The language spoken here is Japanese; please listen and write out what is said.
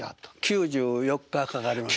９４日かかりました。